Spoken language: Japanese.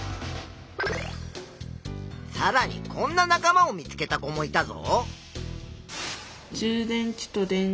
さらにこんな仲間を見つけた子もいたぞ。